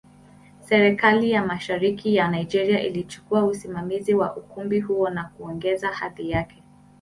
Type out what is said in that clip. Serikali ya Mashariki ya Nigeria ilichukua usimamizi wa ukumbi huo na kuongeza hadhi yake.